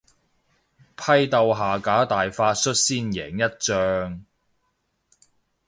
批鬥下架大法率先贏一仗